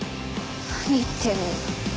何言ってんの？